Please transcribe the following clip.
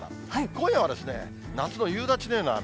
今夜は夏の夕立のような雨。